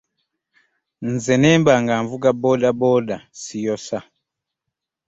Nze ne mba nga nvuga boodabooda ssiyosa.